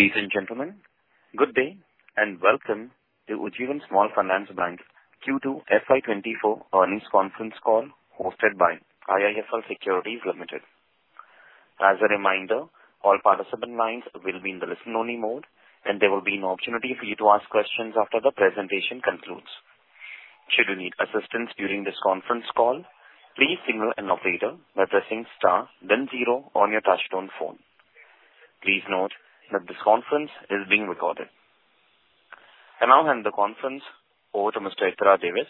Ladies and gentlemen, good day, and welcome to Ujjivan Small Finance Bank Q2 FY 2024 Earnings Conference Call, hosted by IIFL Securities Limited. As a reminder, all participant lines will be in the listen-only mode, and there will be an opportunity for you to ask questions after the presentation concludes. Should you need assistance during this conference call, please signal an operator by pressing star then zero on your touchtone phone. Please note that this conference is being recorded. I now hand the conference over to Mr. Ittira Davis,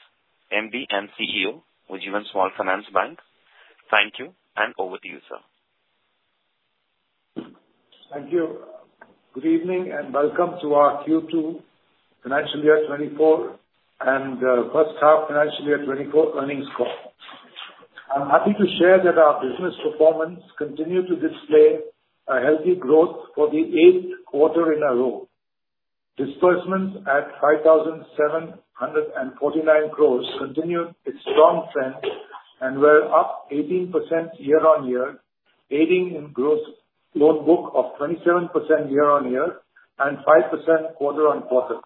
MD and CEO, Ujjivan Small Finance Bank. Thank you, and over to you, sir. Thank you. Good evening, and welcome to our Q2 financial year 2024, and first half financial year 2024 earnings call. I'm happy to share that our business performance continued to display a healthy growth for the eighth quarter in a row. Disbursement at 5,749 crore continued its strong trend and were up 18% year-on-year, aiding in growth loan book of 27% year-on-year and 5% quarter-on-quarter.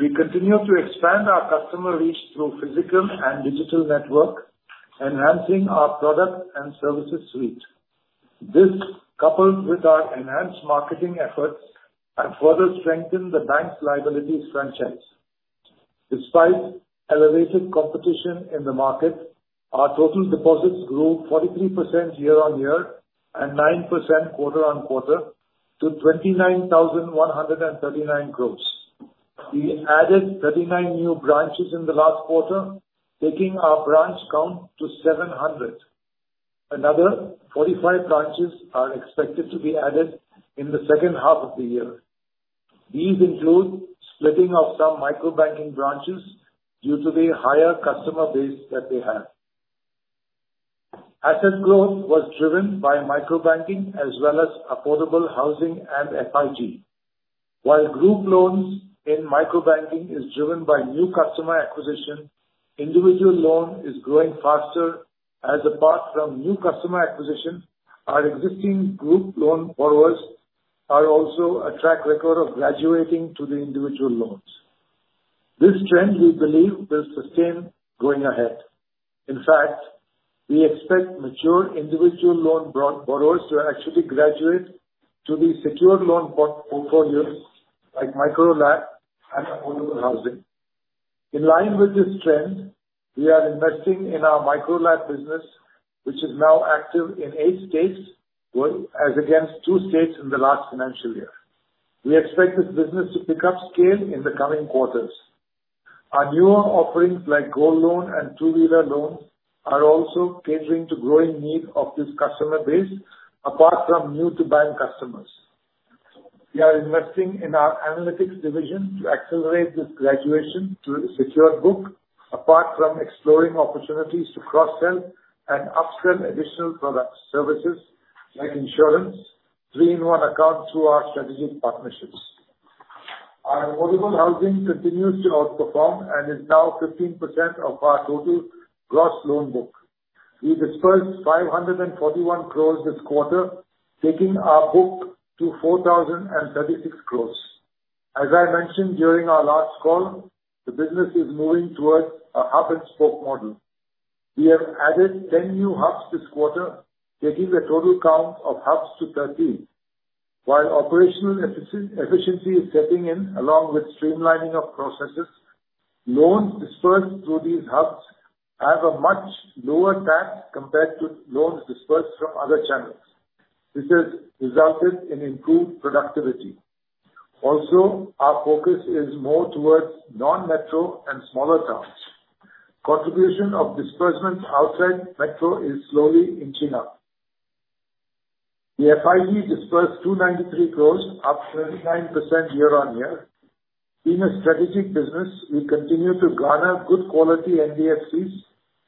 We continue to expand our customer reach through physical and digital network, enhancing our product and services suite. This, coupled with our enhanced marketing efforts, have further strengthened the bank's liabilities franchise. Despite elevated competition in the market, our total deposits grew 43% year-on-year and 9% quarter-on-quarter to 29,139 crore. We added 39 new branches in the last quarter, taking our branch count to 700. Another 45 branches are expected to be added in the second half of the year. These include splitting of some micro banking branches due to the higher customer base that they have. Asset growth was driven by micro banking as well as affordable housing and FIG. While group loans in micro banking is driven by new customer acquisition, individual loan is growing faster as apart from new customer acquisition, our existing group loan borrowers are also a track record of graduating to the individual loans. This trend, we believe, will sustain going ahead. In fact, we expect mature individual loan borrowers to actually graduate to the secured loan portfolios, like Micro LAP and affordable housing. In line with this trend, we are investing in our Micro LAP business, which is now active in eight states, well, as against two states in the last financial year. We expect this business to pick up scale in the coming quarters. Our newer offerings, like gold loan and two-wheeler loans, are also catering to growing need of this customer base, apart from new to bank customers. We are investing in our analytics division to accelerate this graduation to the secure book, apart from exploring opportunities to cross-sell and upsell additional product services like insurance, three-in-one account through our strategic partnerships. Our affordable housing continues to outperform and is now 15% of our total gross loan book. We disbursed 541 crore this quarter, taking our book to 4,036 crore. As I mentioned during our last call, the business is moving towards a hub and spoke model. We have added 10 new hubs this quarter, taking the total count of hubs to 13. While operational efficiency is setting in, along with streamlining of processes, loans disbursed through these hubs have a much lower tax compared to loans disbursed from other channels. This has resulted in improved productivity. Also, our focus is more towards non-metro and smaller towns. Contribution of disbursements outside metro is slowly inching up. The FIG disbursed 293 crore, up 29% year-on-year. In a strategic business, we continue to garner good quality NBFCs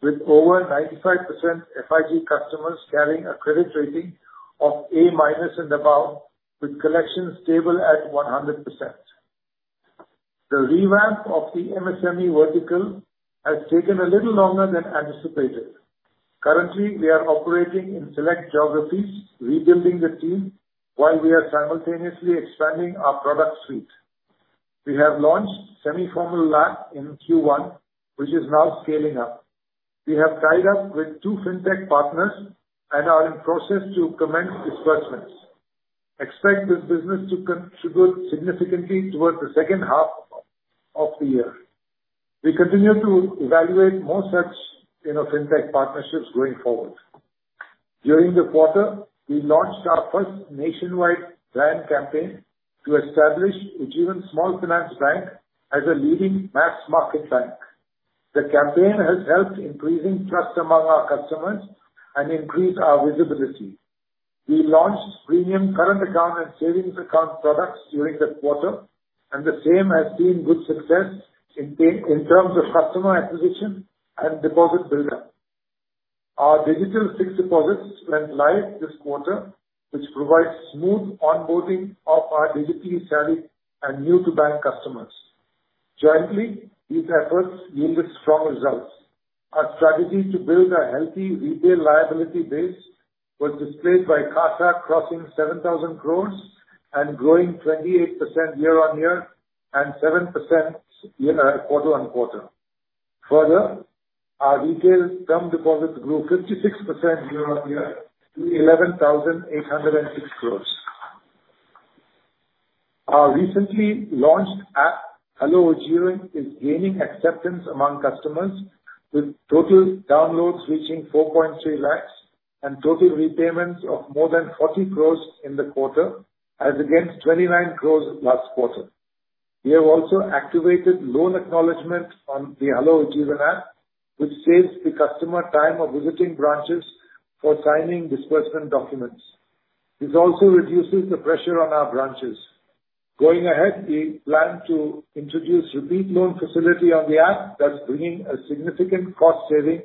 with over 95% FIG customers carrying a credit rating of A minus and above, with collections stable at 100%. The revamp of the MSME vertical has taken a little longer than anticipated. Currently, we are operating in select geographies, rebuilding the team while we are simultaneously expanding our product suite. We have launched semi-formal LAP in Q1, which is now scaling up. We have tied up with two fintech partners and are in process to commence disbursements. Expect this business to contribute significantly towards the second half of the year. We continue to evaluate more such, you know, fintech partnerships going forward. During the quarter, we launched our first nationwide brand campaign to establish Ujjivan Small Finance Bank as a leading mass-market bank. The campaign has helped increasing trust among our customers and increase our visibility. We launched premium current account and savings account products during the quarter, and the same has seen good success in terms of customer acquisition and deposit buildup. Our digital fixed deposits went live this quarter, which provides smooth onboarding of our digitally savvy and new-to-bank customers. Jointly, these efforts yielded strong results. Our strategy to build a healthy retail liability base was displayed by CASA crossing 7,000 crore and growing 28% year-over-year and 7% quarter-over-quarter. Further, our retail term deposits grew 56% year-over-year to INR 11,806 crore. Our recently launched app, Hello Ujjivan, is gaining acceptance among customers, with total downloads reaching 4.3 lakh and total repayments of more than 40 crore in the quarter, as against 29 crore last quarter. We have also activated loan acknowledgement on the Hello Ujjivan app, which saves the customer time of visiting branches for signing disbursement documents. This also reduces the pressure on our branches. Going ahead, we plan to introduce repeat loan facility on the app, thus bringing a significant cost saving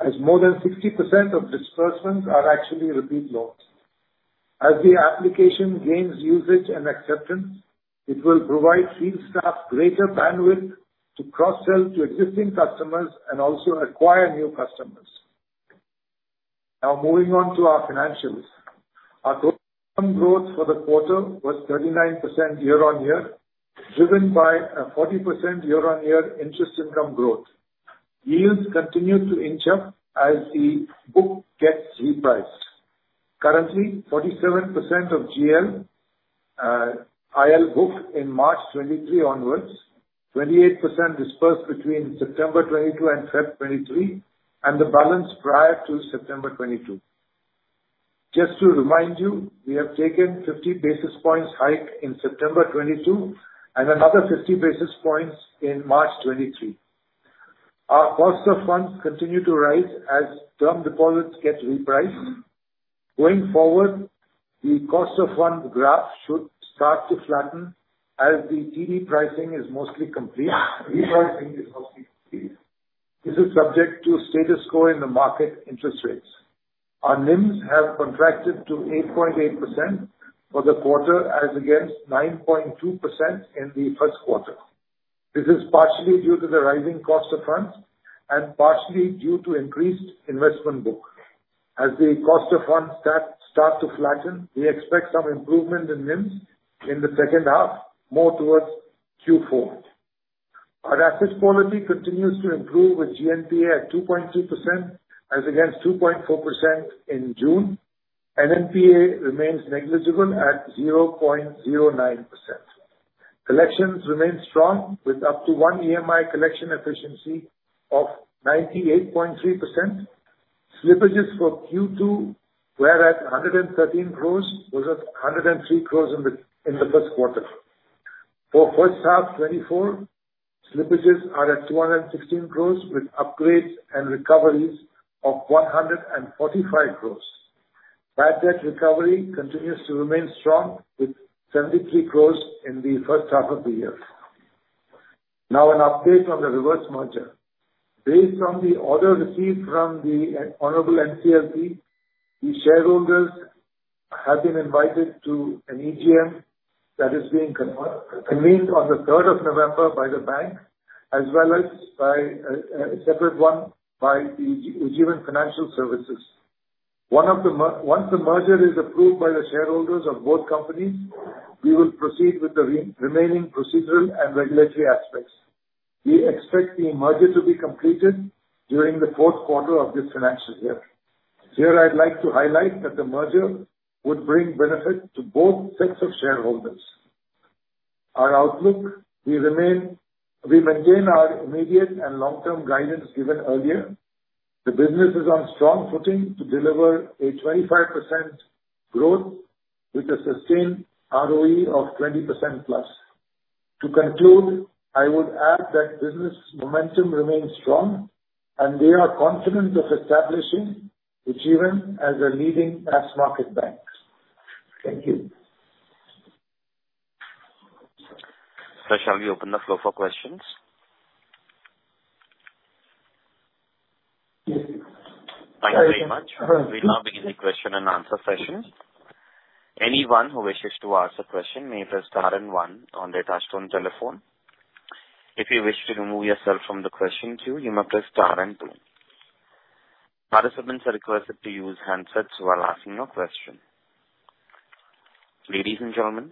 as more than 60% of disbursements are actually repeat loans. As the application gains usage and acceptance, it will provide field staff greater bandwidth to cross-sell to existing customers and also acquire new customers. Now, moving on to our financials. Our total income growth for the quarter was 39% year-on-year, driven by a 40% year-on-year interest income growth. Yields continued to inch up as the book gets repriced. Currently, 47% of GL, IL booked in March 2023 onwards, 28% dispersed between September 2022 and February 2023, and the balance prior to September 2022. Just to remind you, we have taken 50 basis points hike in September 2022 and another 50 basis points in March 2023. Our cost of funds continue to rise as term deposits get repriced. Going forward, the cost of fund graph should start to flatten as the TD pricing is mostly complete. Repricing is mostly complete. This is subject to status quo in the market interest rates. Our NIMs have contracted to 8.8% for the quarter, as against 9.2% in the first quarter. This is partially due to the rising cost of funds and partially due to increased investment book. As the cost of funds start to flatten, we expect some improvement in NIMs in the second half, more towards Q4. Our asset quality continues to improve, with GNPA at 2.2%, as against 2.4% in June, and NPA remains negligible at 0.09%. Collections remain strong, with up to one EMI collection efficiency of 98.3%. Slippages for Q2 were at 113 crores, versus 103 crores in the first quarter. For first half 2024, slippages are at 216 crore, with upgrades and recoveries of 145 crore. Bad debt recovery continues to remain strong, with 73 crore in the first half of the year. Now, an update on the reverse merger. Based on the order received from the honorable NCLT, the shareholders have been invited to an EGM that is being convened on the third of November by the bank, as well as by a separate one by Ujjivan Financial Services. Once the merger is approved by the shareholders of both companies, we will proceed with the remaining procedural and regulatory aspects. We expect the merger to be completed during the fourth quarter of this financial year. Here, I'd like to highlight that the merger would bring benefit to both sets of shareholders. Our outlook, we remain. We maintain our immediate and long-term guidance given earlier. The business is on strong footing to deliver a 25% growth with a sustained ROE of 20%+. To conclude, I would add that business momentum remains strong, and we are confident of establishing Ujjivan as a leading mass market bank. Thank you. Shall we open the floor for questions? Thank you very much. We'll now begin the question and answer session. Anyone who wishes to ask a question may press star and one on their touchtone telephone. If you wish to remove yourself from the question queue, you may press star and two. Participants are requested to use handsets while asking your question. Ladies and gentlemen,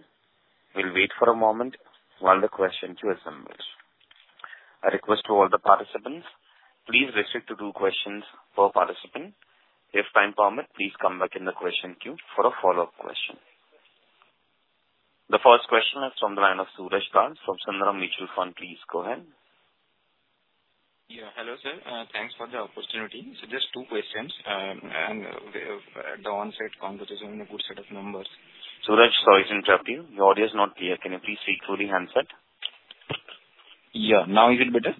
we'll wait for a moment while the question queue assembles. A request to all the participants: Please restrict to two questions per participant. If time permit, please come back in the question queue for a follow-up question. The first question is from the line of Suraj Das from Sundaram Mutual Fund. Please go ahead. Yeah. Hello, sir. Thanks for the opportunity. So just two questions, and the onsite conversation on a good set of numbers. Suresh, sorry to interrupt you. The audio is not clear. Can you please speak through the handset? Yeah. Now is it better?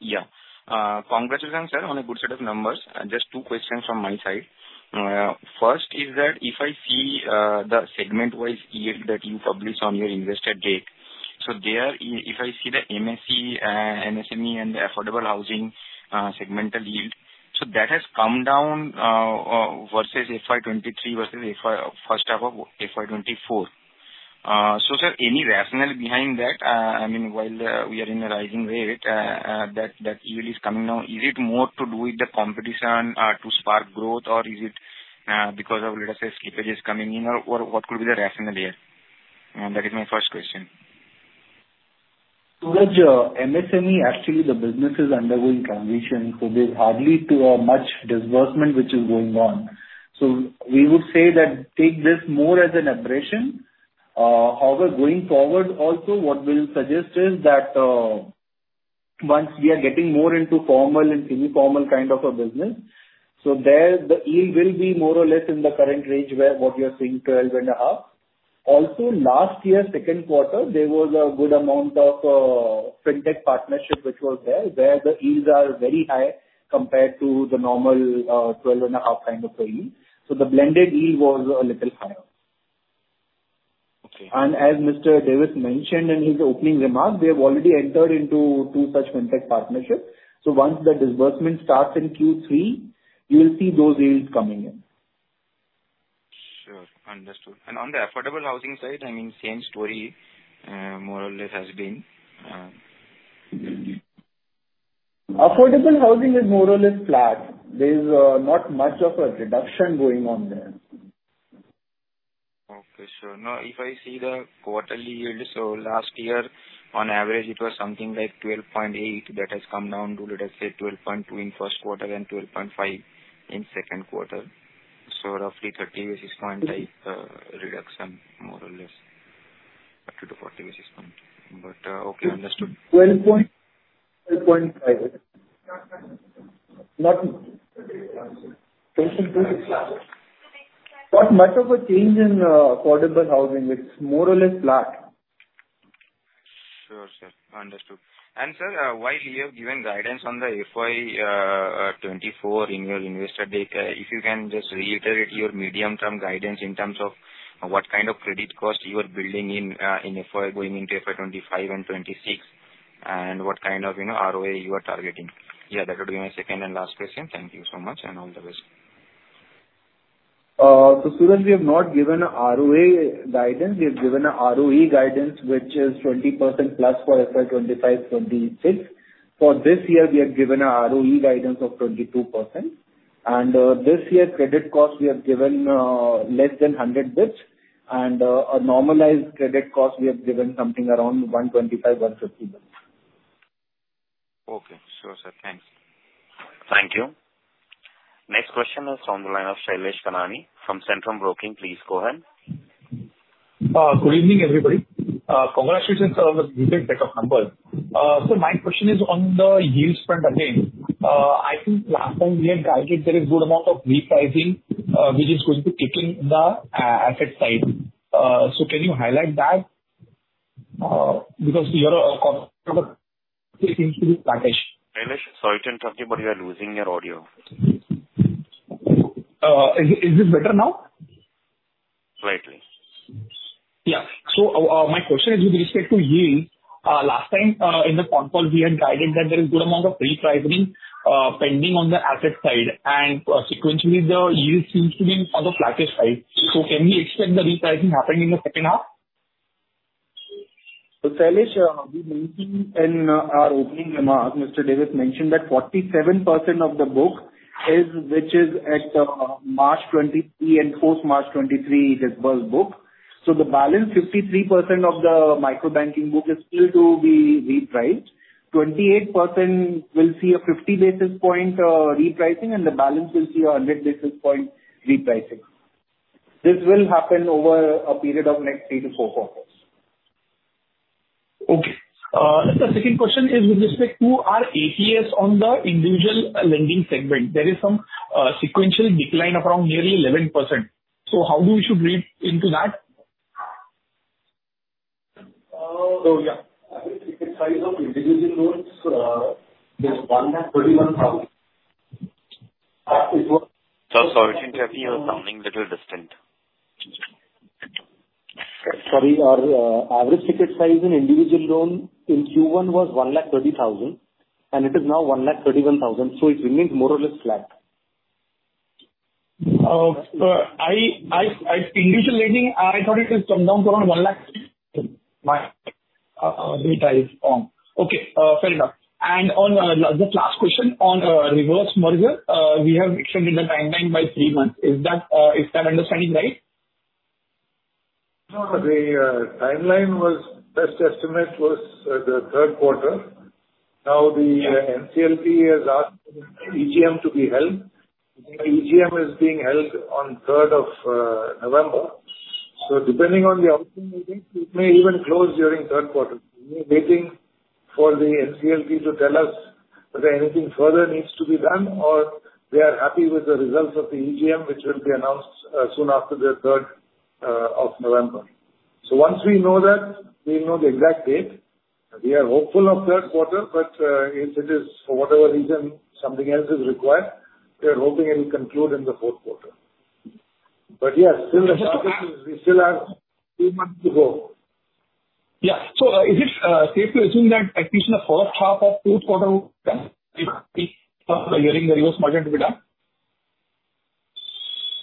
Thank you. Yeah. Congratulations, sir, on a good set of numbers. Just two questions from my side. First is that if I see the segment-wise yield that you publish on your investor date, so there, if I see the MSE, MSME, and the affordable housing, segmental yield. So that has come down versus FY 2023, versus FY, first half of FY 2024. So sir, any rationale behind that? I mean, while we are in a rising rate, that yield is coming down. Is it more to do with the competition to spark growth? Or is it because of, let us say, slippages coming in, or what could be the rationale here? That is my first question. Suraj, MSME, actually the business is undergoing transition, so there's hardly to a much disbursement which is going on. So we would say that take this more as an aberration. However, going forward also, what we'll suggest is that, once we are getting more into formal and semi-formal kind of a business, so there the yield will be more or less in the current range where what you're seeing, 12.5. Also, last year, second quarter, there was a good amount of, Fintech partnership which was there, where the yields are very high compared to the normal, 12.5 kind of a yield. So the blended yield was a little higher. Okay. And as Mr. Davis mentioned in his opening remarks, we have already entered into two such Fintech partnerships. So once the disbursement starts in Q3, you'll see those yields coming in. Sure. Understood. On the affordable housing side, I mean, same story, more or less has been. Affordable housing is more or less flat. There's not much of a reduction going on there. Okay, sure. Now, if I see the quarterly yield, so last year on average it was something like 12.8. That has come down to, let us say, 12.2 in first quarter and 12.5 in second quarter. So roughly 30 basis point, like, reduction, more or less, up to the 40 basis point. But, okay, understood. 12, 12.5. Not much of a change in affordable housing. It's more or less flat. Sure, sir. Understood. And sir, while you have given guidance on the FY 24 in your investor deck, if you can just reiterate your medium-term guidance in terms of what kind of credit cost you are building in, in FY, going into FY 25 and 26, and what kind of, you know, ROA you are targeting. Yeah, that would be my second and last question. Thank you so much and all the best. Suraj, we have not given ROA guidance. We have given a ROE guidance, which is 20%+ for FY 2025-2026. For this year, we have given a ROE guidance of 22%. This year credit cost, we have given less than 100 basis points, and a normalized credit cost, we have given something around 125-150. Okay. Sure, sir. Thanks. Thank you. Next question is on the line of Shailesh Kanani from Centrum Broking. Please go ahead. Good evening, everybody. Congratulations on the good set of numbers. So my question is on the yield front again. I think last time we had guided there is good amount of repricing, which is going to kick in the asset side. So can you highlight that, because you are a Shailesh, sorry to interrupt you, but you are losing your audio. Is this better now? Slightly. Yeah. So, my question is with respect to yield. Last time, in the conference call, we had guided that there is good amount of repricing, pending on the asset side, and, sequentially, the yield seems to be on the flattest side. So can we expect the repricing happening in the second half? So, Shailesh, we mentioned in our opening remarks, Mr. Davis mentioned that 47% of the book is, which is at, March 2023 and post-March 2023 dispersed book. So the balance, 53% of the microbanking book is still to be repriced. 28% will see a 50 basis point repricing, and the balance will see a 100 basis point repricing. This will happen over a period of next 3-4 quarters. Okay. The second question is with respect to our ATS on the individual lending segment. There is some sequential decline around nearly 11%. So how we should read into that? So yeah, average ticket size of individual loans is INR 131,000. Sir, sorry to interrupt you. You're sounding a little distant. Sorry. Our average ticket size in individual loan in Q1 was 130,000, and it is now 131,000, so it remains more or less flat. I, I, I individual lending, I thought it has come down to around INR 100,000. My data is wrong. Okay, fair enough. On the last question on reverse merger, we have extended the timeline by three months. Is that, is my understanding right? No, the timeline was, best estimate was, the third quarter. Now, the NCLT has asked EGM to be held. EGM is being held on November 3rd. So depending on the outcome meeting, it may even close during third quarter. We're waiting for the NCLT to tell us whether anything further needs to be done or they are happy with the results of the EGM, which will be announced, soon after the November 3rd. So once we know that, we know the exact date. We are hopeful of third quarter, but, if it is for whatever reason, something else is required, we are hoping it will conclude in the fourth quarter but yes, still the stock, we still have two months to go. Yeah. So, is it safe to assume that at least in the first half of fourth quarter, the reverse merger to be done?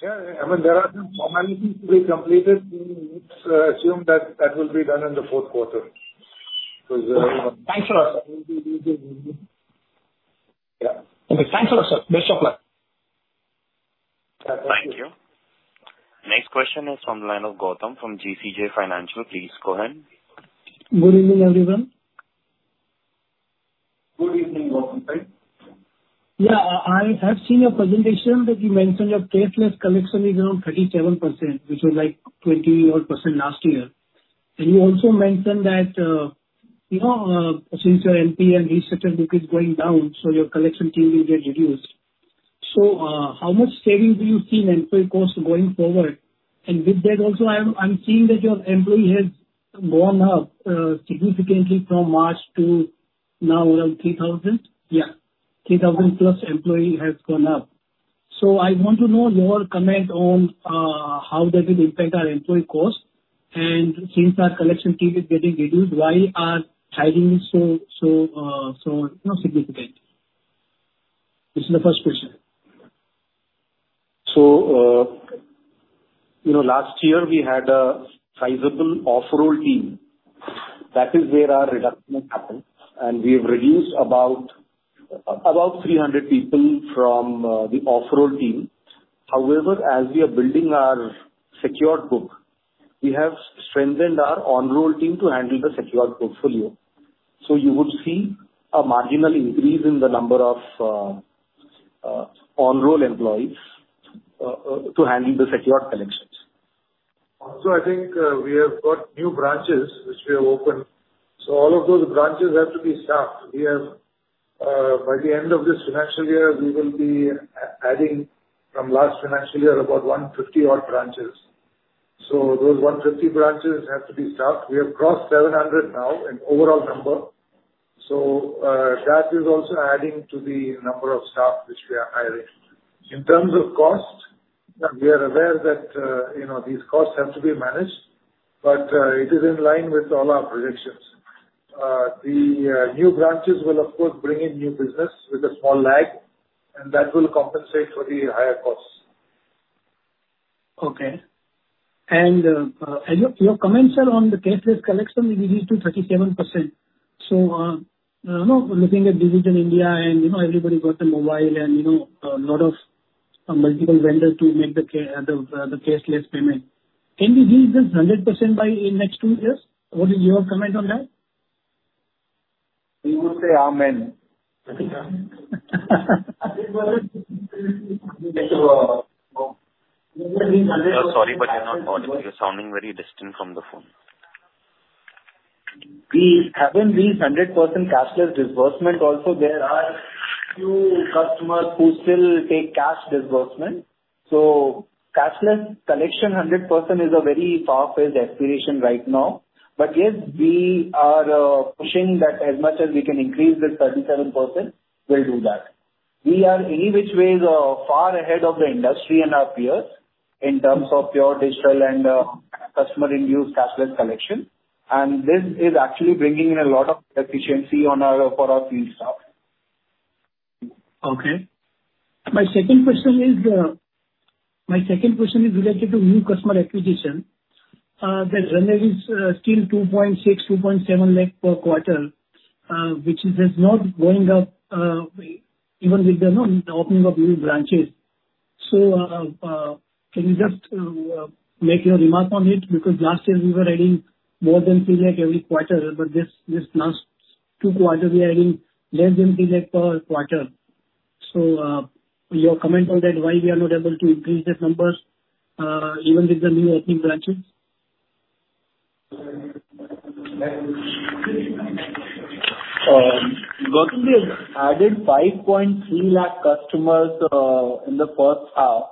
Yeah, I mean, there are some formalities to be completed. We assume that that will be done in the fourth quarter. Thanks a lot, sir. Yeah. Okay, thanks a lot, sir. Best of luck. Thank you. Next question is from the line of Gautam from GCJ Financial. Please go ahead. Good evening, everyone. Good evening, Gautam. Yeah, I have seen your presentation, but you mentioned your cashless collection is around 37%, which was like 20-odd% last year. And you also mentioned that, you know, since your NPA and reset is going down, so your collection team will get reduced. So, how much saving do you see in employee costs going forward? And with that also, I'm seeing that your employee has gone up, significantly from March to now, well, 3,000? Yeah, 3,000+ employee has gone up. So I want to know your comment on, how that will impact our employee cost, and since our collection team is getting reduced, why our hiring is so, so significant? This is the first question. So, you know, last year we had a sizable off-role team. That is where our reduction happened, and we've reduced about 300 people from the off-role team. However, as we are building our secured book, we have strengthened our on-role team to handle the secured portfolio. So you would see a marginal increase in the number of on-role employees to handle the secured collections. Also, I think, we have got new branches which we have opened. So all of those branches have to be staffed. We have, by the end of this financial year, we will be adding from last financial year, about 150 odd branches. So those 150 branches have to be staffed. We have crossed 700 now in overall number, so, that is also adding to the number of staff which we are hiring. In terms of cost, we are aware that, you know, these costs have to be managed, but, it is in line with all our projections. The new branches will of course, bring in new business with a small lag, and that will compensate for the higher costs. Okay. And, your comments are on the cashless collection reduced to 37%. So, you know, looking at Digital India and, you know, everybody got a mobile and, you know, a lot of multiple vendors to make the cashless payment. Can we reach this 100% by in next two years? What is your comment on that? We would say, Amen. Sir, sorry, but you're not audible. You're sounding very distant from the phone. We haven't reached 100% cashless disbursement. Also, there are few customers who still take cash disbursement. So cashless collection 100% is a very far-fetched aspiration right now. But yes, we are, pushing that as much as we can increase this 37%, we'll do that. We are any which ways, far ahead of the industry and our peers, in terms of pure digital and, customer-induced cashless collection. And this is actually bringing in a lot of efficiency on our for our field staff. Okay. My second question is, my second question is related to new customer acquisition. The revenue is still 2.6 lakh-2.7 lakh per quarter, which is just not going up, even with the, you know, opening of new branches. Can you just make your remark on it? Because last year we were adding more than 3 lakh every quarter, but this last two quarter, we are adding less than 3 lakh per quarter. Your comment on that, why we are not able to increase the numbers, even with the new opening branches? Gautam, we added 5.3 lakh customers in the first half,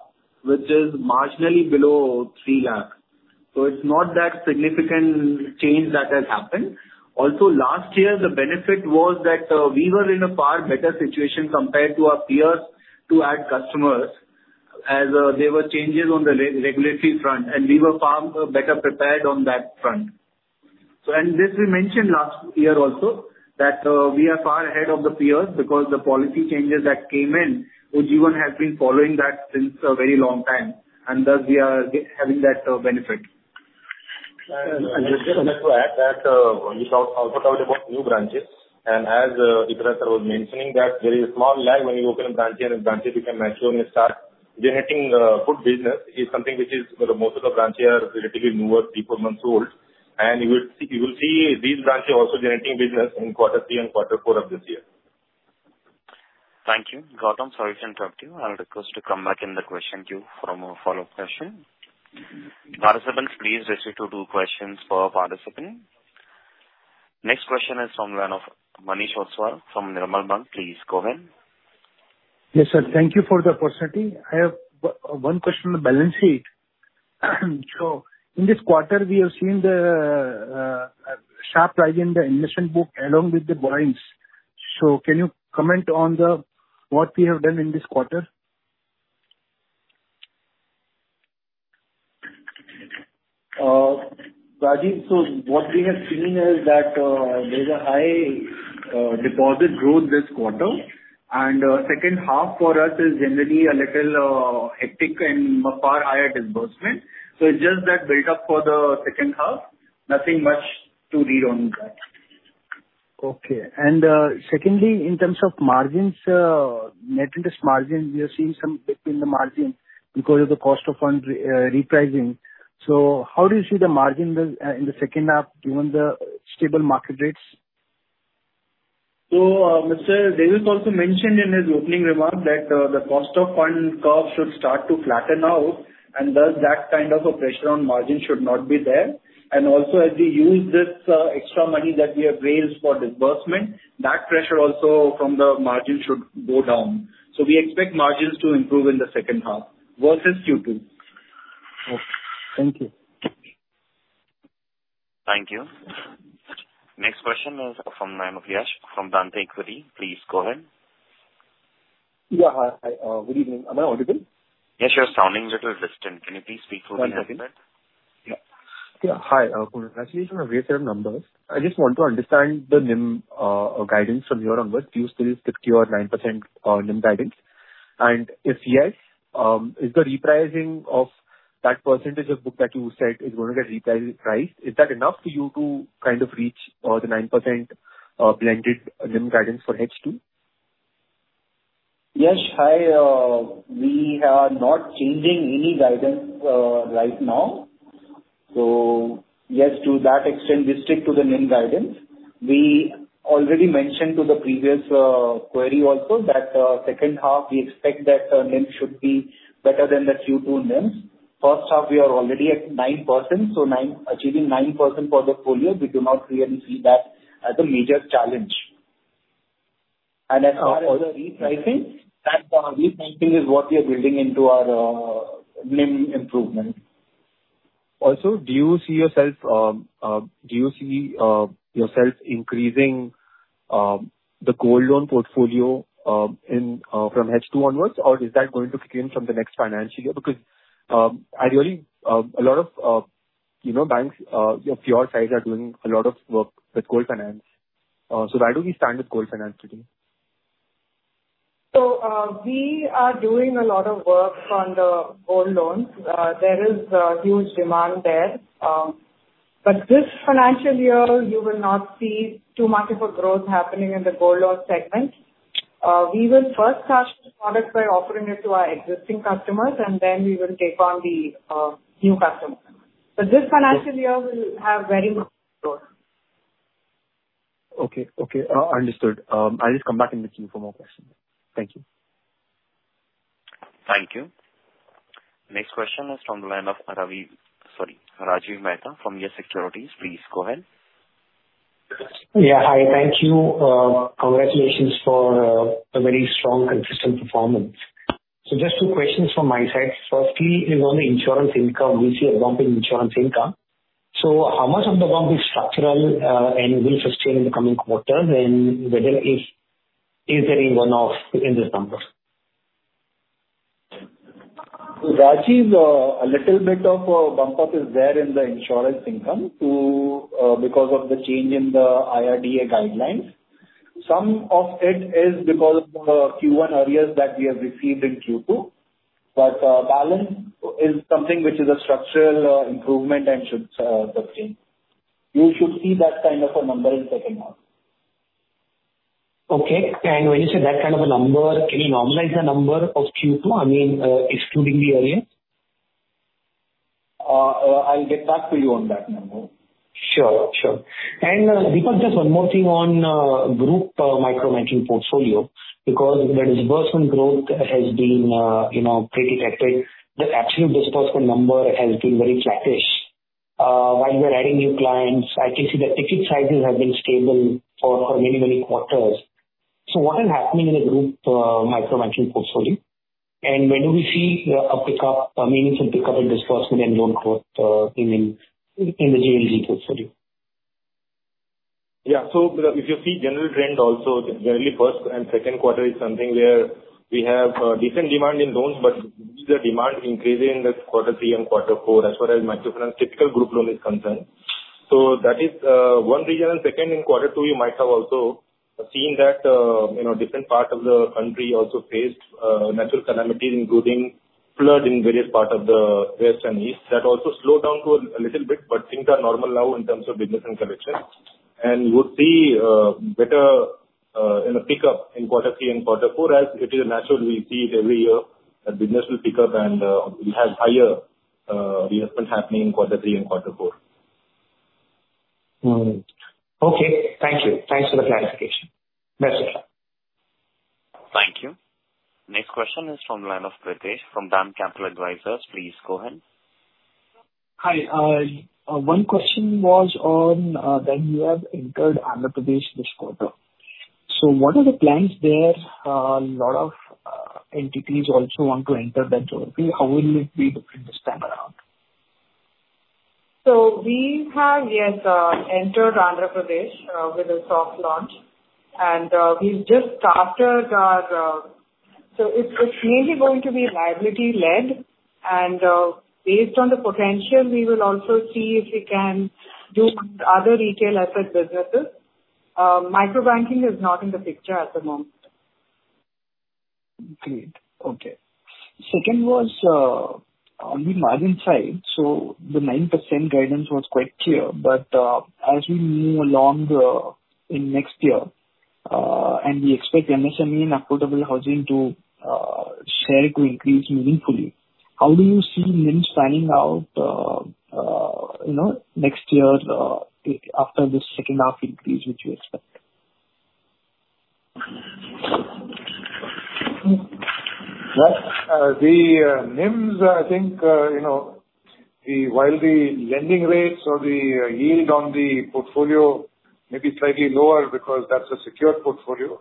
which is marginally below 3 lakh. So it's not that significant change that has happened. Also last year, the benefit was that we were in a far better situation compared to our peers to add customers, as there were changes on the regulatory front, and we were far better prepared on that front. So and this we mentioned last year also, that we are far ahead of the peers because the policy changes that came in, Ujjivan has been following that since a very long time, and thus we are having that benefit. And I just like to add that, you also talked about new branches, and as Deepak sir was mentioning, that there is a small lag when you open a branch, and the branches become mature and start generating good business, is something which is for the most of the branches are relatively newer, three, four months old. And you will see, you will see these branches also generating business in quarter three and quarter four of this year. Thank you. Gautam, sorry to interrupt you. I'll request you to come back in the question queue for more follow-up question. Participants, please restrict to two questions per participant. Next question is from Manish Ostwal, from Nirmal Bang. Please go ahead. Yes, sir. Thank you for the opportunity. I have one question on the balance sheet. So in this quarter, we have seen the sharp rise in the admission book along with the balance. Can you comment on what we have done in this quarter? Rajiv, so what we have seen is that, there's a high, deposit growth this quarter, and, second half for us is generally a little, hectic and a far higher disbursement. So it's just that build up for the second half. Nothing much to read on that. Okay. And, secondly, in terms of margins, Net Interest Margin, we are seeing some dip in the margin because of the cost of funds repricing. So how do you see the margin will in the second half given the stable market rates? So, Mr. Davis also mentioned in his opening remark that, the cost of fund curve should start to flatten out, and thus, that kind of a pressure on margin should not be there. And also, as we use this, extra money that we have raised for disbursement, that pressure also from the margin should go down. So we expect margins to improve in the second half versus Q2. Okay, thank you. Thank you. Next question is from the line of Yash, from Dante Equity. Please go ahead. Yeah. Hi, hi, good evening. Am I audible? Yes, you're sounding a little distant. Can you please speak through the headset? Yeah. Yeah, hi, congratulations on a great set of numbers. I just want to understand the NIM guidance from here onwards. Do you still stick to your 9% NIM guidance? And if yes, is the repricing of that percentage of book that you said is going to get repriced enough for you to kind of reach the 9% blended NIM guidance for H2? Yash, hi, we are not changing any guidance, right now. So yes, to that extent, we stick to the NIM guidance. We already mentioned to the previous, query also that, second half we expect that, NIM should be better than the Q2 NIMs. First half, we are already at 9%, so nine achieving 9% for the full year, we do not really see that as a major challenge. And as far as the repricing, that, repricing is what we are building into our, NIM improvement. Also, do you see yourself increasing the gold loan portfolio in from H2 onwards, or is that going to kick in from the next financial year? Because, ideally, a lot of you know, banks your pure size are doing a lot of work with gold finance. So where do we stand with gold finance today? So, we are doing a lot of work on the Gold Loans. There is a huge demand there, but this financial year you will not see too much of a growth happening in the Gold Loans segment. We will first test the product by offering it to our existing customers, and then we will take on the new customers. So this financial year we'll have very much growth. Okay. Okay, understood. I'll just come back in with you for more questions. Thank you. Thank you. Next question is from the line of Ravi. Sorry, Rajiv Mehta from Yes Securities. Please go ahead. Yeah, hi. Thank you. Congratulations for a very strong, consistent performance. So just two questions from my side. Firstly, is on the insurance income, we see a bump in insurance income. So how much of the bump is structural, and will sustain in the coming quarters, and whether, is, is there any one-off in these numbers? So, Rajiv, a little bit of a bump up is there in the insurance income to because of the change in the IRDA guidelines. Some of it is because of Q1 arrears that we have received in Q2. But balance is something which is a structural improvement and should sustain. You should see that kind of a number in second half. Okay. And when you say that kind of a number, can you normalize the number of Q2, I mean, excluding the area? I'll get back to you on that number. Sure, sure. And, Deepak, just one more thing on group microfinance portfolio, because the disbursement growth has been, you know, pretty hectic. The actual disbursement number has been very flattish. While we are adding new clients, I can see the ticket sizes have been stable for many, many quarters. So what is happening in the group microfinance portfolio? And when do we see a pickup, I mean, some pickup in disbursement and loan growth in the GLG portfolio? Yeah. So if you see general trend also, generally first and second quarter is something where we have, different demand in loans, but the demand increasing in the quarter three and quarter four, as far as microfinance typical group loan is concerned. So that is, one reason. Second, in quarter two, you might have also seen that, you know, different part of the country also faced, natural calamities, including flood in various parts of the west and east. That also slowed down a little bit, but things are normal now in terms of business and collection. And we'll see, better, you know, pickup in quarter three and quarter four, as it is natural, we see it every year, that business will pick up and, we have higher, disbursement happening in quarter three and quarter four. Mm-hmm. Okay. Thank you. Thanks for the clarification. That's it. Thank you. Next question is from the line of Pritesh, from DAM Capital Advisors. Please go ahead. Hi. One question was on when you have entered Andhra Pradesh this quarter. So what are the plans there? A lot of entities also want to enter that territory. How will it be different this time around? So we have, yes, entered Andhra Pradesh with a soft launch, and we've just started our, so it's mainly going to be liability led, and based on the potential, we will also see if we can do other retail asset businesses. Microbanking is not in the picture at the moment. Great. Okay. Second was on the margin side. So the 9% guidance was quite clear, but as we move along the in next year and we expect MSME and affordable housing to share to increase meaningfully, how do you see NIMs panning out, you know, next year after this second half increase, which you expect? Well, the NIMs, I think, you know, while the lending rates or the yield on the portfolio may be slightly lower because that's a secured portfolio.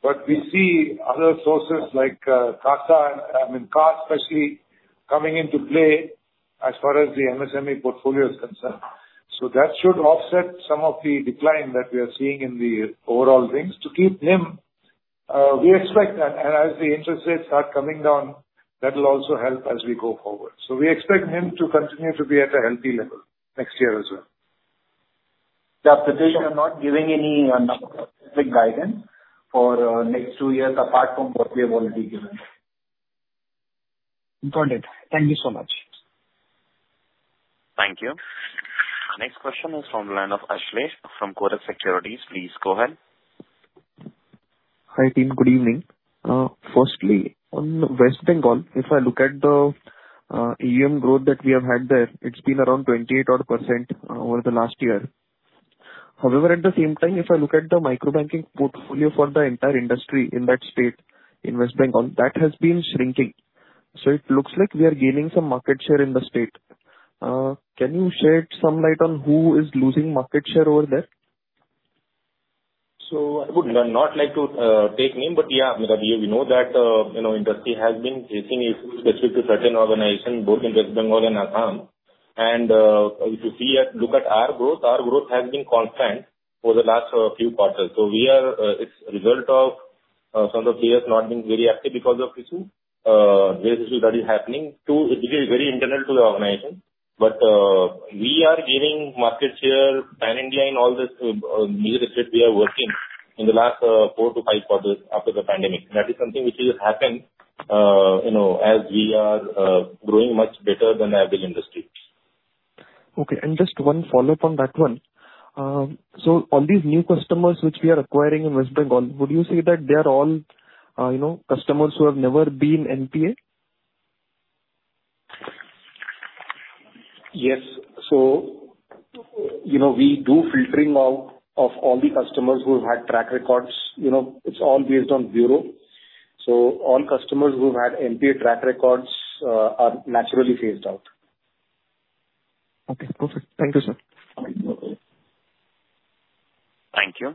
But we see other sources like CASA and I mean CA especially, coming into play as far as the MSME portfolio is concerned. So that should offset some of the decline that we are seeing in the overall things to keep NIM. We expect that as the interest rates are coming down, that will also help as we go forward. So we expect NIM to continue to be at a healthy level next year as well. Yeah, Pritesh, I am not giving any, number specific guidance for, next two years, apart from what we have already given. Got it. Thank you so much. Thank you. Next question is from the line of Ashlesh, from Kotak Securities. Please go ahead. Hi, team. Good evening. Firstly, on West Bengal, if I look at the EM growth that we have had there, it's been around 28 odd percent over the last year. However, at the same time, if I look at the microbanking portfolio for the entire industry in that state, in West Bengal, that has been shrinking. So it looks like we are gaining some market share in the state. Can you shed some light on who is losing market share over there? So I would not like to take name, but yeah, we know that, you know, industry has been facing issues specific to certain organisations, both in West Bengal and Assam. If you look at our growth, our growth has been constant for the last few quarters. So it's a result of some of the peers not being very active because of issues, various issues that is happening. Too, it is very internal to the organisation, but we are gaining market share pan-India in all the new states we are working in the last 4-5 quarters after the pandemic. That is something which has happened, you know, as we are growing much better than the average industry. Okay. Just one follow-up on that one. All these new customers which we are acquiring in West Bengal, would you say that they are all, you know, customers who have never been NPA? Yes. So, you know, we do filtering out of all the customers who've had track records. You know, it's all based on bureau. So all customers who've had NPA track records are naturally phased out. Okay, perfect. Thank you, sir. Thank you.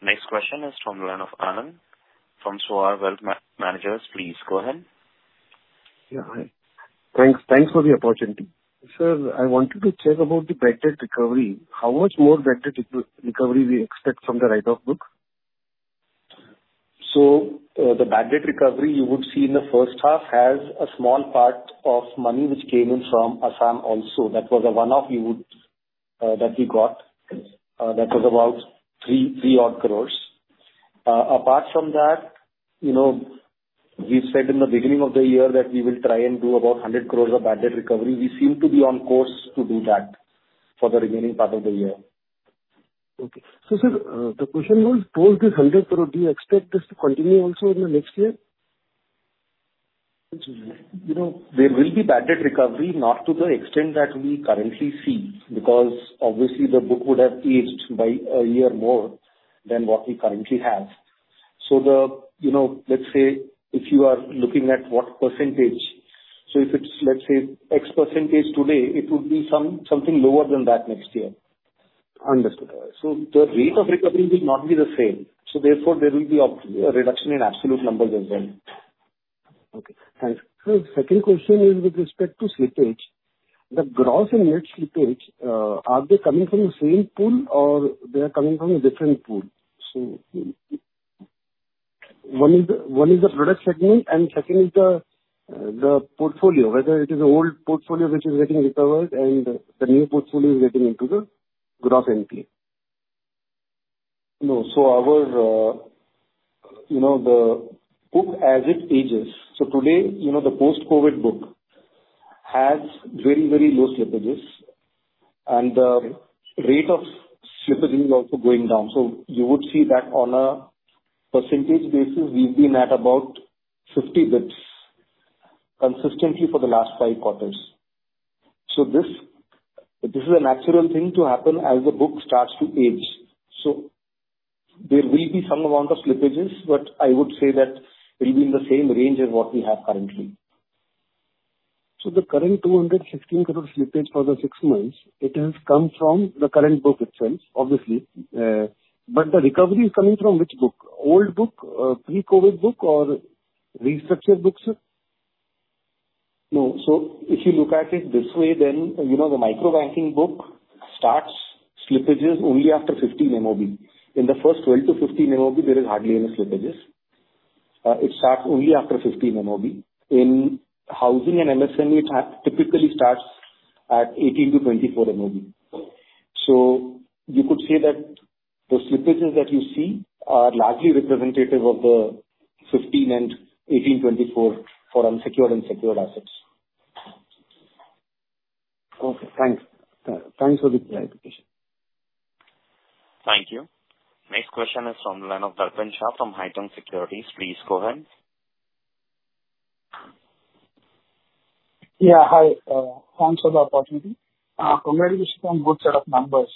Next question is from the line of Anand from Soar Wealth Managers. Please go ahead. Yeah, hi. Thanks. Thanks for the opportunity. Sir, I wanted to check about the bad debt recovery. How much more bad debt recovery we expect from the write-off book? The bad debt recovery you would see in the first half has a small part of money which came in from Assam also. That was a one-off that we got, that was about 3 odd crores. Apart from that, you know, we said in the beginning of the year that we will try and do about 100 crores of bad debt recovery. We seem to be on course to do that for the remaining part of the year. Okay. So, sir, the question was, post this INR 100 crore, do you expect this to continue also in the next year? You know, there will be bad debt recovery, not to the extent that we currently see, because obviously the book would have aged by a year more than what we currently have. So the, you know, let's say, if you are looking at what percentage, so if it's, let's say, X percentage today, it would be something lower than that next year. Understood. So the rate of recovery will not be the same. So therefore, there will be a reduction in absolute numbers as well. Okay, thanks. So the second question is with respect to slippage. The gross and net slippage, are they coming from the same pool or they are coming from a different pool? So, one is the product segment, and second is the portfolio, whether it is an old portfolio which is getting recovered and the new portfolio is getting into the gross NPA. No, so our, you know, the book as it ages. So today, you know, the post-COVID book has very, very low slippages, and the rate of slippage is also going down. So you would see that on a percentage basis, we've been at about 50 bits consistently for the last five quarters. So this is a natural thing to happen as the book starts to age. So there will be some amount of slippages, but I would say that it will be in the same range as what we have currently. So the current 216 crore slippage for the six months, it has come from the current book itself, obviously, but the recovery is coming from which book? Old book, pre-COVID book or restructured books, sir? No. So if you look at it this way, then, you know, the micro banking book starts slippages only after 15 MOB. In the first 12-15 MOB, there is hardly any slippages. It starts only after 15 MOB. In housing and MSME, it typically starts at 18-24 MOB. So you could say that the slippages that you see are largely representative of the 15 and 18, 24 for unsecured and secured assets. Okay, thanks. Thanks for the clarification. Thank you. Next question is from the line of Darpin Shah from Haitong Securities. Please go ahead. Yeah, hi, thanks for the opportunity. Congratulations on good set of numbers.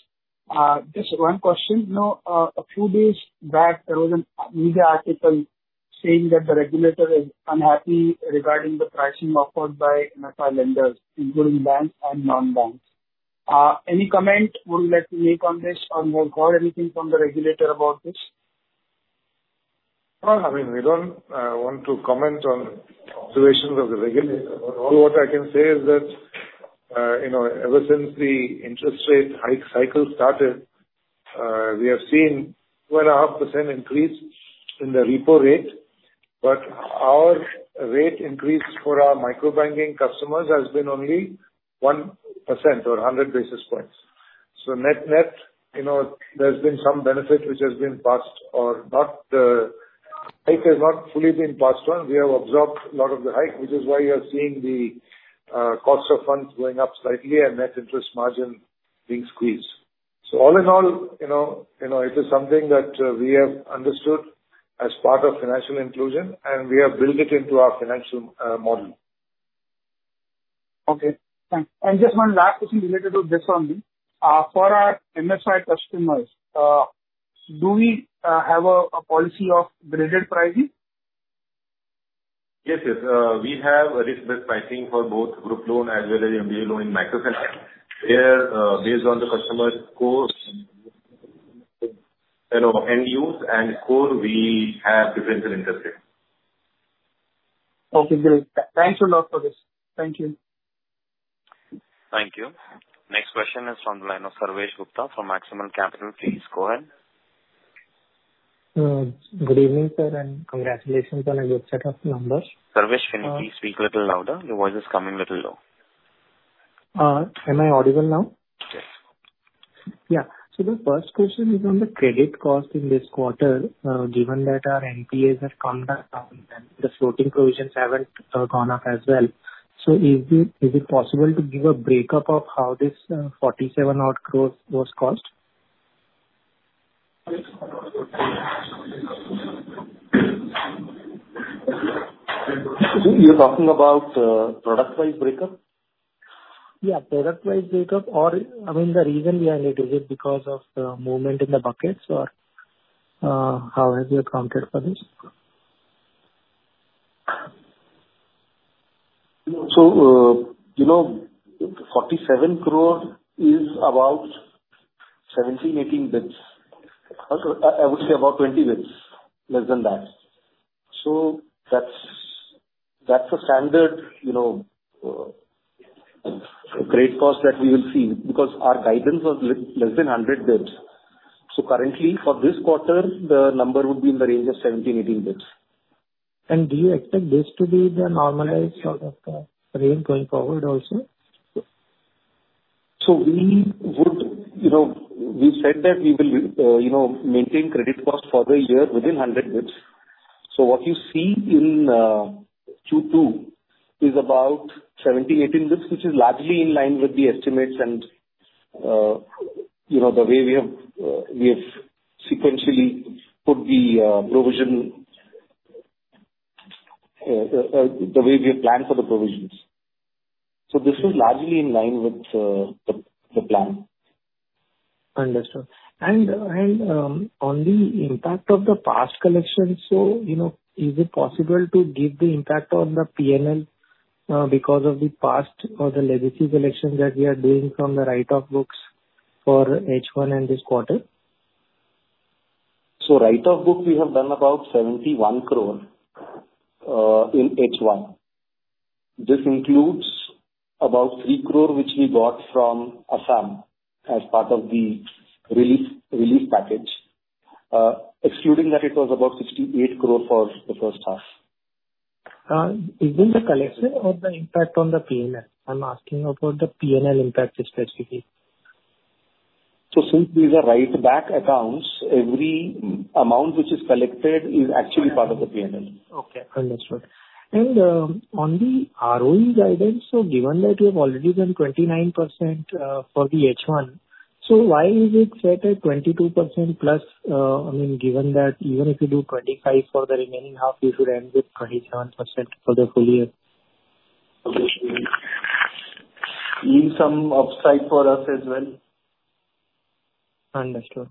Just one question. You know, a few days back, there was a media article saying that the regulator is unhappy regarding the pricing offered by MFI lenders, including banks and non-banks. Any comment would you like to make on this, or you have heard anything from the regulator about this? Well, I mean, we don't want to comment on observations of the regulator. All what I can say is that, you know, ever since the interest rate hike cycle started, we have seen 2.5% increase in the repo rate, but our rate increase for our micro banking customers has been only 1% or 100 basis points. So net-net, you know, there's been some benefit which has been passed or not, hike has not fully been passed on. We have absorbed a lot of the hike, which is why you're seeing the, cost of funds going up slightly and net interest margin being squeezed. So all in all, you know, you know, it is something that, we have understood as part of financial inclusion, and we have built it into our financial model. Okay, thanks. Just one last question related to this only. For our MFI customers, do we have a policy of graded pricing? Yes, yes. We have a risk-based pricing for both group loan as well as individual loan in micro finance, where, based on the customer's score, you know, end use and score, we have differential interest rates. Okay, great. Thanks a lot for this. Thank you. Thank you. Next question is on the line of Sarvesh Gupta from Maximal Capital. Please go ahead. Good evening, sir, and congratulations on a good set of numbers. Sarvesh, can you please speak little louder? Your voice is coming little low. Am I audible now? Yes. Yeah. So the first question is on the credit cost in this quarter, given that our NPAs have come back down and the floating provisions haven't gone up as well. So is it possible to give a breakup of how this 47-odd crore was caused? You're talking about product-wise breakup? Yeah, product-wise breakup, or I mean, the reason we are need, is it because of the movement in the buckets or how have you accounted for this? So, you know, 47 crore is about 17-18 bits. I, I would say about 20 bits, less than that. So that's, that's a standard, you know, grade cost that we will see, because our guidance was less than 100 bits. So currently, for this quarter, the number would be in the range of 17-18 bits. Do you expect this to be the normalized sort of, range going forward also? So we would. You know, we said that we will, you know, maintain credit cost for the year within 100 basis points. So what you see in Q2 is about 17-18 basis points, which is largely in line with the estimates and, you know, the way we have, we have sequentially put the provision, the way we have planned for the provisions. So this is largely in line with the plan. Understood. And on the impact of the past collection, so, you know, is it possible to give the impact on the P&L, because of the past or the legacy collection that we are doing from the write-off books for H1 and this quarter? Write-off book, we have done about 71 crore in H1. This includes about 3 crore, which we got from Assam as part of the relief, relief package. Excluding that, it was about 68 crore for the first half. Is it the collection or the impact on the P&L? I'm asking about the P&L impact specifically. Since these are writeback accounts, every amount which is collected is actually part of the P&L. Okay, understood. And, on the ROE guidance, so given that you've already done 29%, for the H1, so why is it set at 22%+, I mean, given that even if you do 25 for the remaining half, you should end with 27% for the full year? Leave some upside for us as well. Understood.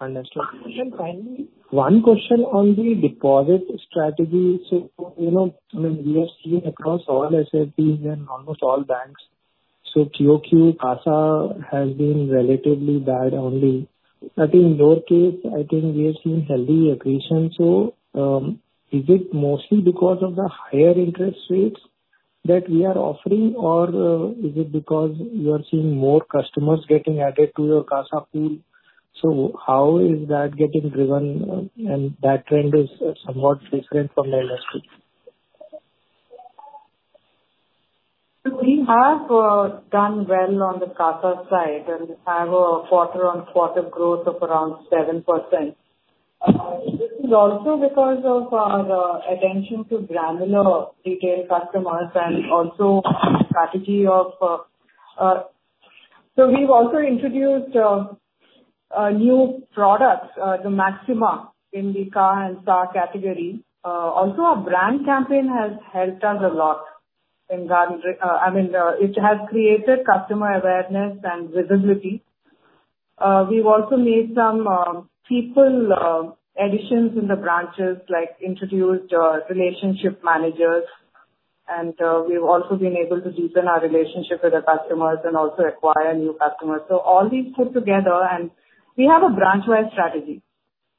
Understood. And then finally, one question on the deposit strategy. So, you know, I mean, we are seeing across all SFBs and almost all banks. So Q-o-Q CASA has been relatively bad only, but in your case, I think we have seen healthy accretion. So, is it mostly because of the higher interest rates that we are offering, or is it because you are seeing more customers getting added to your CASA pool? So how is that getting driven and that trend is somewhat different from the industry? So we have done well on the CASA side and have a quarter-on-quarter growth of around 7%. This is also because of our attention to granular retail customers and also strategy of. So we've also introduced a new product, the Maxima in the CA and SA category. Also our brand campaign has helped us a lot, I mean, it has created customer awareness and visibility. We've also made some people additions in the branches, like introduced relationship managers, and we've also been able to deepen our relationship with the customers and also acquire new customers. So all these put together, and we have a branch-wide strategy.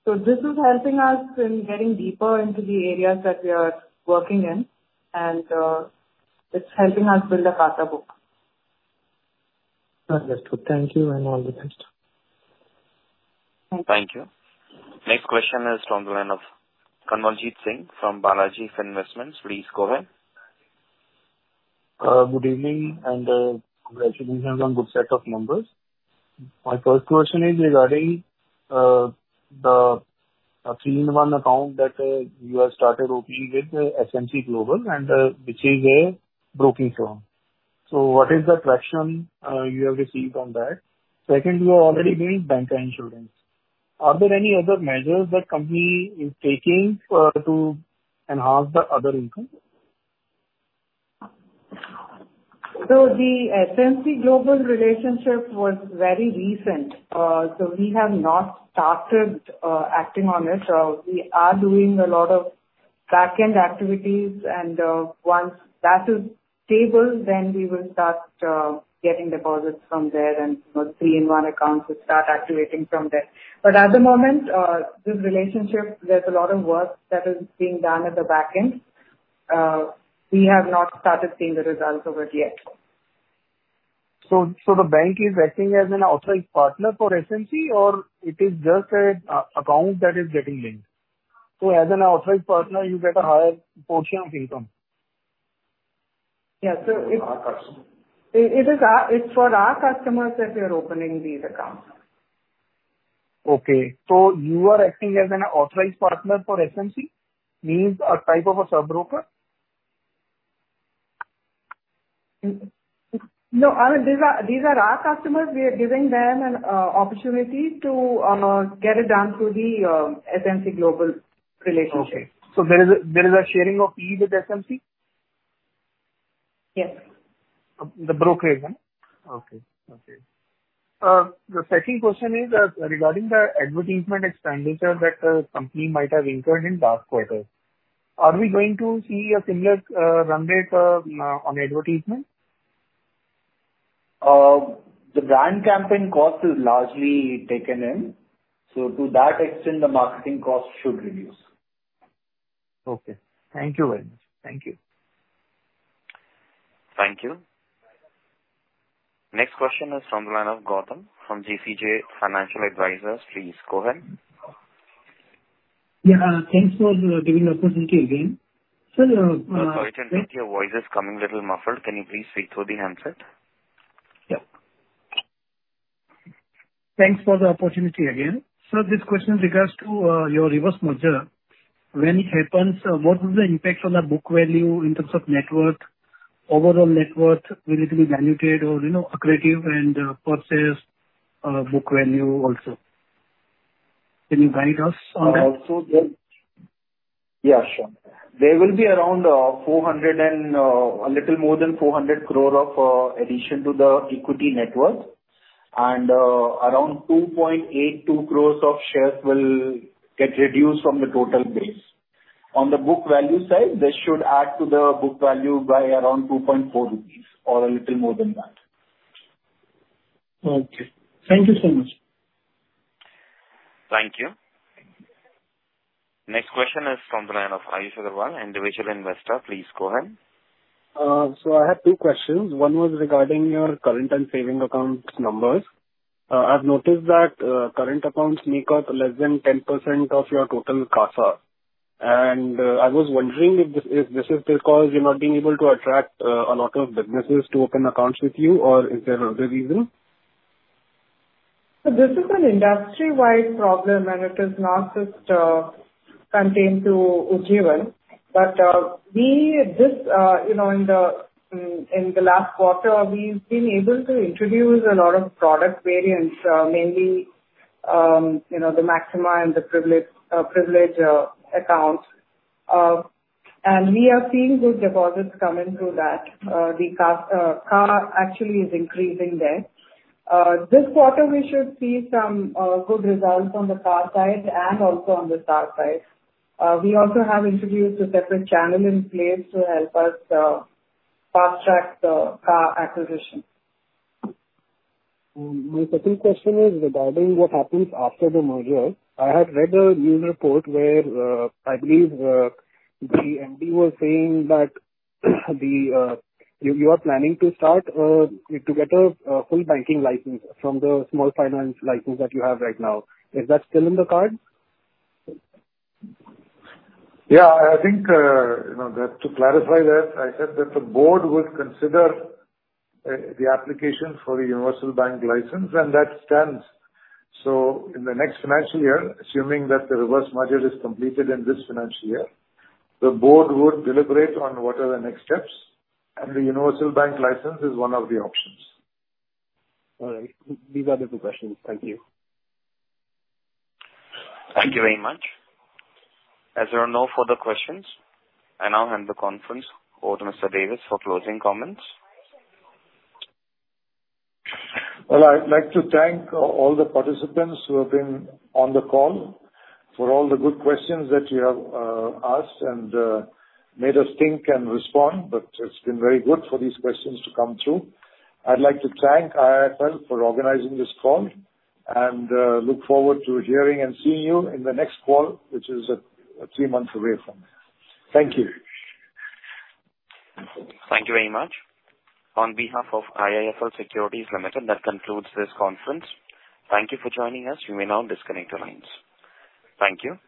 So this is helping us in getting deeper into the areas that we are working in, and it's helping us build a CASA book. Understood. Thank you, and all the best. Thank you. Thank you. Next question is from the line of Kanwaljit Singh from Balaji Finvestments. Please go ahead. Good evening, and congratulations on good set of numbers. My first question is regarding the three-in-one account that you have started opening with SMC Global and which is a brokerage firm. So what is the traction you have received on that? Second, you are already doing bank insurance. Are there any other measures the company is taking to enhance the other income? The SMC Global relationship was very recent, so we have not started acting on it. We are doing a lot of back-end activities, and once that is stable, then we will start getting deposits from there and the three-in-one accounts will start activating from there. But at the moment, this relationship, there's a lot of work that is being done at the back end. We have not started seeing the results of it yet. So, the bank is acting as an authorized partner for SMC, or it is just an account that is getting linked? So as an authorized partner, you get a higher portion of income. Yeah. So it Our customer. It's for our customers that we are opening these accounts. Okay, so you are acting as an authorized partner for SMC, means a type of a sub-broker? No, I mean, these are, these are our customers. We are giving them an opportunity to get it done through the SMC Global relationship. Okay. So there is a sharing of fee with SMC? Yes. The brokerage? Okay. Okay. The second question is, regarding the advertisement expenditure that company might have incurred in last quarter. Are we going to see a similar run rate on advertisement? The brand campaign cost is largely taken in, so to that extent, the marketing cost should reduce. Okay. Thank you very much. Thank you. Thank you. Next question is from the line of Gautam from GCJ Financial Advisors. Please go ahead. Yeah. Thanks for giving the opportunity again. Sir. Sorry, can't hear. Your voice is coming little muffled. Can you please speak through the handset? Yeah. Thanks for the opportunity again. Sir, this question in regards to your reverse merger. When it happens, what is the impact on the book value in terms of net worth, overall net worth? Will it be diluted or, you know, accretive and per se book value also? Can you guide us on that? Also, yeah, sure. There will be around 400 and a little more than 400 crore of addition to the equity net worth, and around 2.82 crores of shares will get reduced from the total base. On the book value side, this should add to the book value by around 2.4 rupees or a little more than that. Okay. Thank you so much. Thank you. Next question is from the line of Ayush Agarwal, individual investor. Please go ahead. So I have two questions. One was regarding your current and savings account numbers. I've noticed that current accounts make up less than 10% of your total CASA. And I was wondering if this is, this is because you're not being able to attract a lot of businesses to open accounts with you, or is there another reason? This is an industry-wide problem, and it is not just contained to Ujjivan. We just, you know, in the, in the last quarter, we've been able to introduce a lot of product variants, mainly, you know, the Maxima and the Privilege, Privilege, accounts. We have seen the deposits coming through that. The CASA actually is increasing there. This quarter, we should see some good results on the CA side and also on the SA side. We also have introduced a separate channel in place to help us fast track the acquisition. My second question is regarding what happens after the merger. I had read a news report where, I believe, the MD was saying that the you, you are planning to start to get a full banking license from the small finance license that you have right now. Is that still in the card? Yeah, I think, you know, that to clarify that, I said that the board would consider the application for a universal bank license, and that stands. So in the next financial year, assuming that the reverse merger is completed in this financial year, the board would deliberate on what are the next steps, and the universal bank license is one of the options. All right. These are the two questions. Thank you. Thank you very much. As there are no further questions, I now hand the conference over to Mr. Davis for closing comments. Well, I'd like to thank all, all the participants who have been on the call, for all the good questions that you have asked and made us think and respond, but it's been very good for these questions to come through. I'd like to thank IIFL for organising this call, and look forward to hearing and seeing you in the next call, which is three months away from now. Thank you. Thank you very much. On behalf of IIFL Securities Limited, that concludes this conference. Thank you for joining us. You may now disconnect your lines. Thank you.